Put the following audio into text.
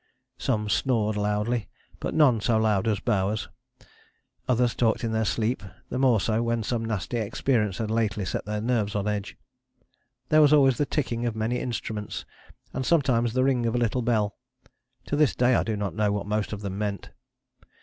Some snored loudly, but none so loud as Bowers; others talked in their sleep, the more so when some nasty experience had lately set their nerves on edge. There was always the ticking of many instruments, and sometimes the ring of a little bell: to this day I do not know what most of them meant.